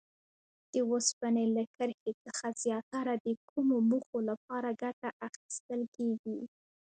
د اوسپنې له کرښې څخه زیاتره د کومو موخو لپاره ګټه اخیستل کیږي؟